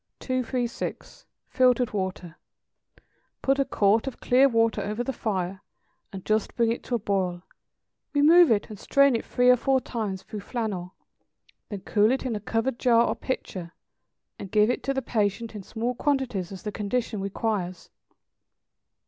236. =Filtered Water.= Put a quart of clear water over the fire, and just bring it to a boil; remove it, and strain it three or four times through flannel; then cool it in a covered jar or pitcher, and give it to the patient in small quantities as the condition requires.